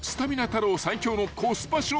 太郎最強のコスパ商品が］